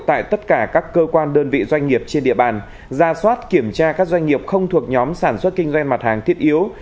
tại tất cả các cơ quan đơn vị doanh nghiệp trên địa bàn ra soát kiểm tra các doanh nghiệp không thuộc nhóm sản xuất kinh doanh mặt hàng thiết yếu